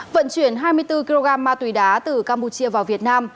vận chuyển hai mươi bốn kg ma túy đá từ campuchia vào việt nam